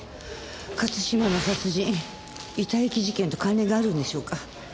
勝島の殺人・遺体遺棄事件と関連があるんでしょうか？